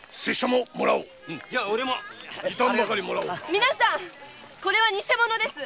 皆さんこれはニセ物です。